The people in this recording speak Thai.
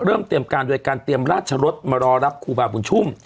เตรียมการโดยการเตรียมราชรสมารอรับครูบาบุญชุ่ม